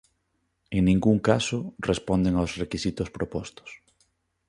En ningún caso responden aos requisitos propostos.